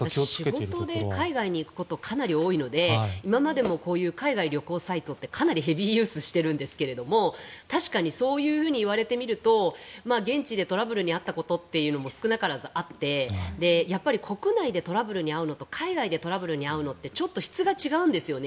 仕事で海外に行くことかなり多いので今までも海外旅行サイトってかなりヘビーユーズしているんですが確かにそういうふうに言われてみると現地でトラブルに遭ったことというのも少なからずあって、やっぱり国内でトラブルに遭うのと海外でトラブルに遭うのってちょっと質が違うんですよね。